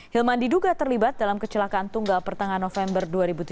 hilman diduga terlibat dalam kecelakaan tunggal pertengahan november dua ribu tujuh belas